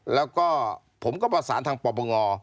แล้วก็ผมก็ประสานทางปปง